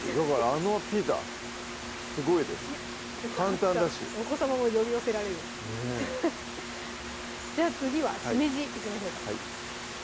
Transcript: あのピザすごいです簡単だしお子さまも呼び寄せられるじゃあ次はしめじいきましょうか